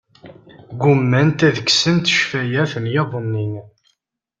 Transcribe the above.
Ggumant ad kksent ccfayat n yiḍ-nni.